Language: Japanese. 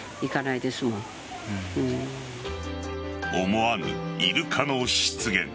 思わぬイルカの出現。